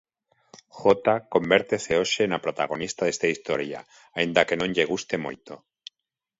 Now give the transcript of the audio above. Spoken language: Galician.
Jota convértese hoxe na protagonista desta historia, aínda que non lle guste moito.